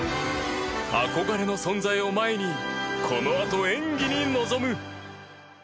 憧れの存在を前にこのあと演技に臨む。